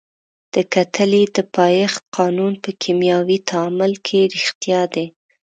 د کتلې د پایښت قانون په کیمیاوي تعامل کې ریښتیا دی.